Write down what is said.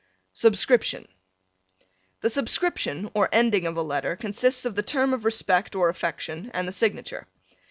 SUBSCRIPTION The Subscription or ending of a letter consists of the term of respect or affection and the signature.